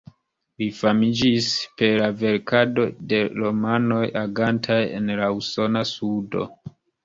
Li famiĝis per la verkado de romanoj agantaj en la usona sudo.